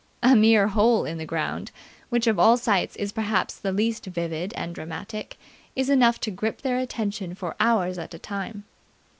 A mere hole in the ground, which of all sights is perhaps the least vivid and dramatic, is enough to grip their attention for hours at a time.